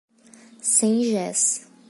Sengés